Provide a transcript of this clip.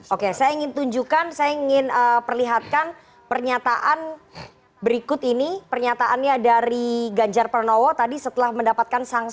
oke saya ingin tunjukkan saya ingin perlihatkan pernyataan berikut ini pernyataannya dari ganjar pranowo tadi setelah mendapatkan sanksi